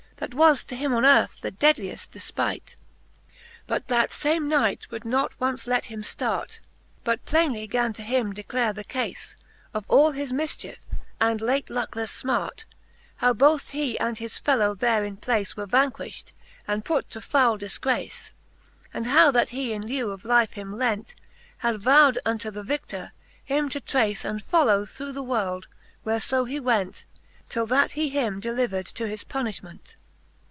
That was to Iiim on earth the deadlieft defpight. XXI. But Canto VII. the Faerie iiueene, 307 XXI. But that fame Knight would not once let him flart, But plainely gan to him declare the cafe Of all his mifchiefe, and late lucklefTe fmart; How both he and his fellow there in place Were vanquiflicd, and put to foule difgrace, And how that he in lieu of life him lent, Had vow'd unto the vidor, him to trace, And follow through the world, where fo he went Till that he him delivered to his punifhment.